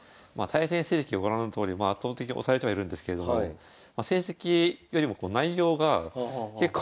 対戦成績はご覧のとおり圧倒的押されてはいるんですけれども成績よりも内容が結構。